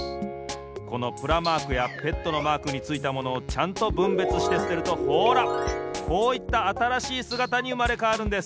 このプラマークやＰＥＴのマークについたものをちゃんとぶんべつしてすてるとほらこういったあたらしいすがたにうまれかわるんです。